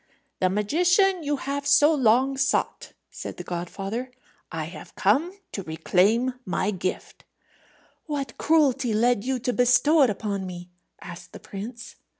"The magician you have so long sought," said the godfather. "I have come to reclaim my gift." "What cruelty led you to bestow it upon me?" asked the prince.